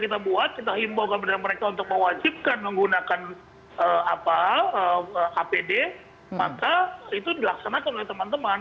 kita buat kita himbau kepada mereka untuk mewajibkan menggunakan apd maka itu dilaksanakan oleh teman teman